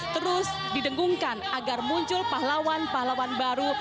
terus didengungkan agar muncul pahlawan pahlawan baru